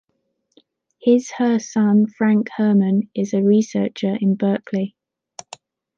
His/her son, Franck Herman, is a researcher in Berkeley...